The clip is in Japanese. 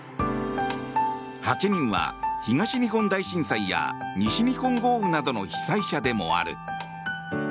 ８人は東日本大震災や西日本豪雨などの被災者でもある。